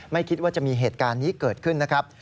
ไม่คิดว่าจะมีเหตุการณ์นี้เกิดขึ้นนะครับ